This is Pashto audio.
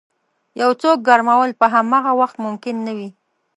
یو څوک ګرمول په همغه وخت ممکن نه وي.